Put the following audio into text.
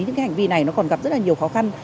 những cái hành vi này nó còn gặp rất là nhiều khó khăn